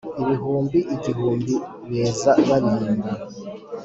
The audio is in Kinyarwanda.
ibihumbi igihumbi beza baririmba,